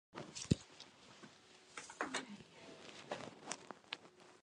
"Mumbai Mirror" now has sister editions in Pune, Ahmedabad and Bangalore.